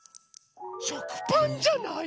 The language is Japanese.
しょくパンじゃない？